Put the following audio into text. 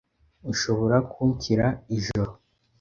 Ushobora kunshira ijoro?